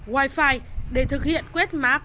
wi fi để thực hiện quét mạng